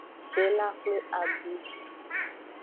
Tela xwle abwui.